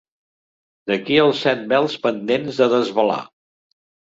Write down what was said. D'aquí els set vels pendents de desvelar.